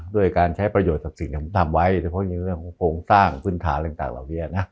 ด้วยการใช้ประโยชน์จากสิ่งที่ผมทำไว้ด้วยการโครงสร้างพื้นฐานต่างจากเหล่านี้นะ